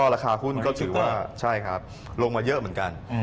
ราคาหุ้นก็ถือว่าลงมาเยอะเหมือนกัน